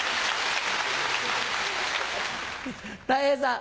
たい平さん。